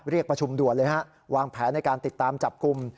เรียกประชุมด่วนเลยฮะวางแผนในการติดตามจับกลุ่ม